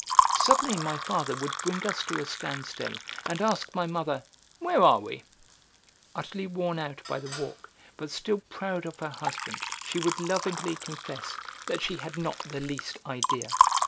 Suddenly my father would bring us to a standstill and ask my mother "Where are we?" Utterly worn out by the walk but still proud of her husband, she would lovingly confess that she had not the least idea.